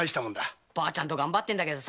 ばあちゃんと頑張ってんだけどさ